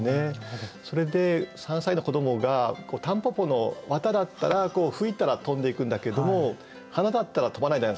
それで３歳の子どもがたんぽぽの綿だったら吹いたら飛んでいくんだけども花だったら飛ばないじゃないですか。